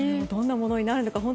どんなものになるのか